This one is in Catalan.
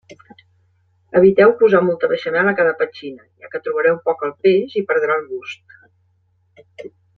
Eviteu posar molta beixamel a cada petxina, ja que trobareu poc el peix i perdrà el gust.